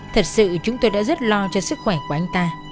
thật sự chúng tôi đã rất lo cho sức khỏe của anh ta